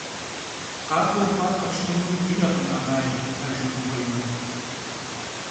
Khak'ueu xhuar khetştenui di'ekhım 'emal, pejjım vuxuêyme.